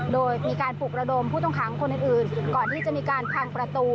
โดยมีการปลุกระดมผู้ต้องขังคนอื่นก่อนที่จะมีการพังประตู